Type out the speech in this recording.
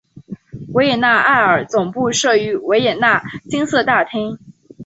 维也纳爱乐的总部设于维也纳金色大厅。